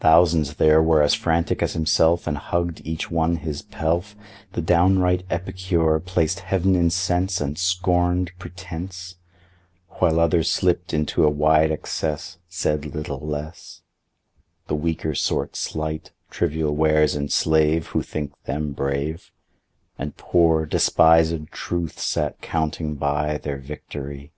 Thousands there were as frantic as himself And hugg'd each one his pelf, The downright epicure plac'd heav'n in sense And scorn'd pretnece While others slipt into a wide excess Said little less; The weaker sort slight, trivial wares enslave Who think them brave, And poor, despised Truth sat counting by Their victory.